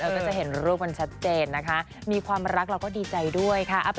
ก็จะเห็นรูปมันชัดเจนนะคะมีความรักเราก็ดีใจด้วยค่ะ